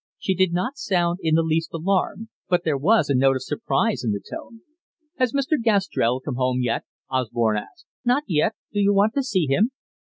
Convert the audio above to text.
She did not sound in the least alarmed, but there was a note of surprise in the tone. "Has Mr. Gastrell come home yet?" Osborne asked. "Not yet. Do you want to see him?"